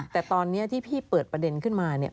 แต่ตอนนี้ที่พี่เปิดประเด็นขึ้นมาเนี่ย